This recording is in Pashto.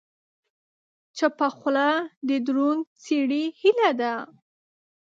چپه خوله، د دروند سړي هیله ده.